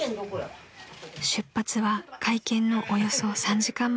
［出発は会見のおよそ３時間前］